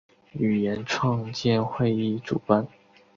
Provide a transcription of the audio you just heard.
语言创建会议主办。